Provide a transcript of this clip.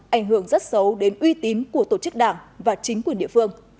ảnh hưởng rất xấu đến uy tín của tổ chức đảng và chính quyền địa phương